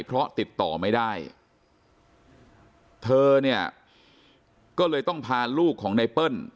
เพราะติดต่อไม่ได้เธอเนี่ยก็เลยต้องพาลูกของไนเปิ้ล